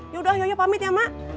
yaudah akhirnya pamit ya mak